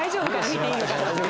見ていいのかな。